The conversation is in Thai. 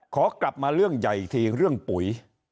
ขอกลับมาเรื่องใหญ่อีกทีเรื่องปุ๋ย